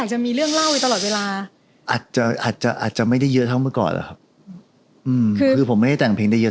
เหล็กกับไม้